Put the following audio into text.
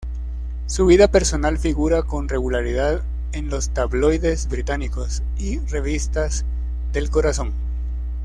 Su vida personal figura con regularidad en los tabloides británicos y revistas del corazón.